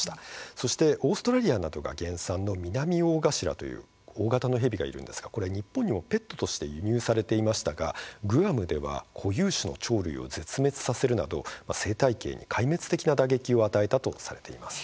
そしてオーストラリアなどが原産のミナミオオガシラという大型の蛇がいるんですが日本にもペットとして輸入されていましたがグアムでは固有種の鳥類を絶滅させるなど生態系に壊滅的な打撃を与えたとされています。